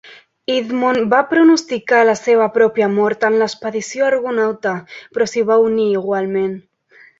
Idmon va pronosticar la seva pròpia mort en l'expedició Argonauta, però s'hi va unir igualment.